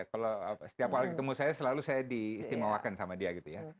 kalau setiap kali ketemu saya selalu saya diistimewakan sama dia gitu ya